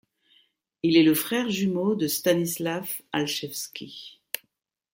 Il est le frère jumeau de Stanislav Alchevski.